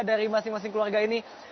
dari masing masing keluarga ini